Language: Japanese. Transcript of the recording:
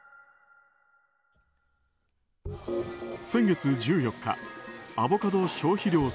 先月１４日、アボカド消費量